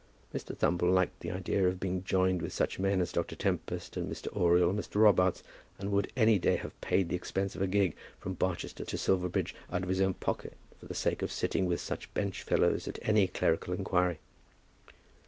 Mr. Thumble liked the idea of being joined with such men as Dr. Tempest, and Mr. Oriel, and Mr. Robarts, and would any day have paid the expense of a gig from Barchester to Silverbridge out of his own pocket, for the sake of sitting with such benchfellows on any clerical inquiry.